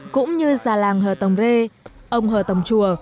cũng như già làng hờ tổng rê ông hờ tổng chùa